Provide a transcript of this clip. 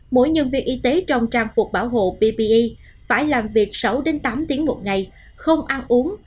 mỗi nhân viên y tế trong trang phục bảo hộ ppi phải làm việc sáu đến tám tiếng một ngày không ăn uống